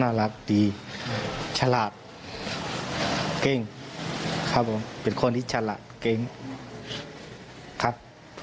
รักดีฉลาดเก้งครับผมเป็นคนที่ฉลาดเก๋งครับ